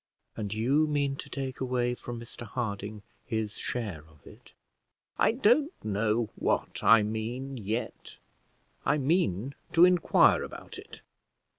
"And you mean to take away from Mr Harding his share of it?" "I don't know what I mean yet. I mean to inquire about it.